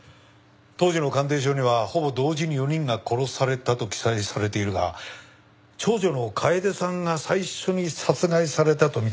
当時の鑑定書にはほぼ同時に４人が殺されたと記載されているが長女の楓さんが最初に殺害されたとみて間違いない。